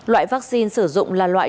loại vaccine sử dụng là loại